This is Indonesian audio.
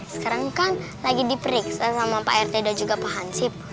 sekarang kan lagi diperiksa sama pak rt dan juga pak hansip